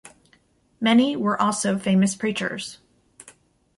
Many were also famous preachers.